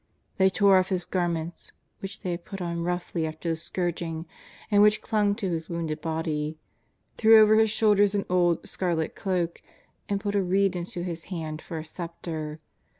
Thej tore off His garments, which thej had put on roughly after the scourging and which clung to His wounded body; threw over His shoulders an old, scarlet cloak, and put a reed into His hand for a sceptre.